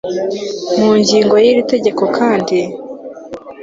mu ngingo ya y iri tegeko kandi